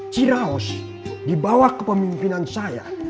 ciraos dibawah kepemimpinan saya